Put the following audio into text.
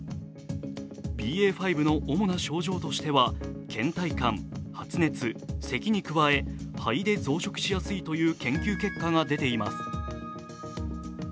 ＢＡ．５の主な症状としてはけん怠感、発熱、せきに加え肺で増殖しやすいという研究結果が出ています。